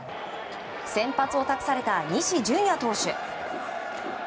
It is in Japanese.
先発を託された西純矢投手。